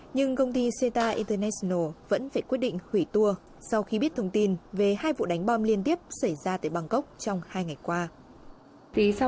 nhưng công ty seta internatial vẫn phải quyết định hủy tour sau khi biết thông tin về hai vụ đánh bom liên tiếp xảy ra tại bangkok trong hai ngày qua